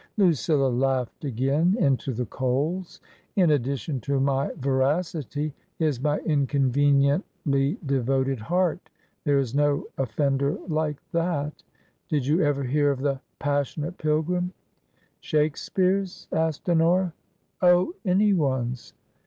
Lucilla laughed again into the coals. " In addition to my veracity is my inconveniently de voted heart. There is no offender like that Did you ever hear of the * Passionate Pilgrim' ?"" Shakespeare's ?" asked Honora. " Oh, anyone's